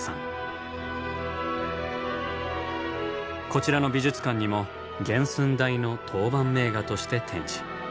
こちらの美術館にも原寸大の陶板名画として展示。